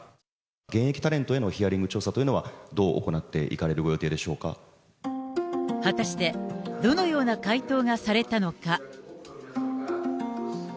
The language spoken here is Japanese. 現役タレントへのヒアリング調査というのはどう行っていかれ果たしてどのような回答がされたのか。